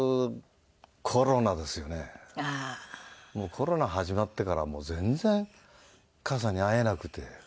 コロナ始まってからもう全然母さんに会えなくて。